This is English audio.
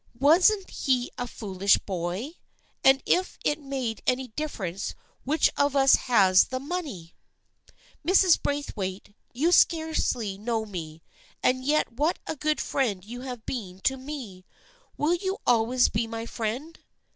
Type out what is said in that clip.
Wasn't he a foolish boy ? As if it made any difference which of us has the money ! Mrs. Braithwaite, you scarcely know me, and yet what a good friend you have been to me ! Will you always be my friend?